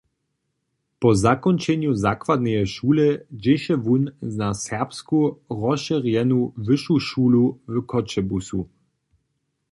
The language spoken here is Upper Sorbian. Po zakónčenju zakładneje šule dźěše wón na Serbsku rozšěrjenu wyšu šulu w Choćebuzu.